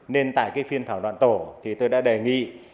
nên tại phiên thảo đoạn tổ tôi đã đề nghị